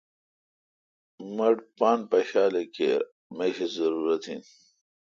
مٹھ پان پشال اے°کیر اہ میش۔ اے ضرورت این۔